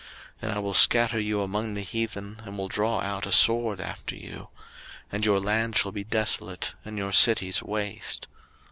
03:026:033 And I will scatter you among the heathen, and will draw out a sword after you: and your land shall be desolate, and your cities waste.